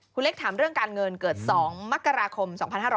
คุณเล็กถามเรื่องการเงินเกิด๒มกราคม๒๕๖๐